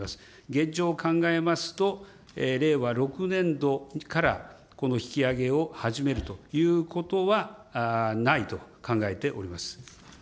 現状を考えますと、令和６年度から、この引き上げを始めるということはないと考えております。